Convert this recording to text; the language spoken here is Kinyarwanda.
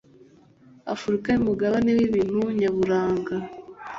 afurika n'umugabane wibintu nyaburanga